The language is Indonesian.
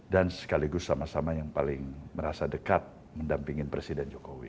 dan sekaligus sama sama yang paling merasa dekat mendampingi presiden jokowi